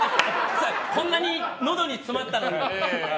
こんなにのどに詰まったのに。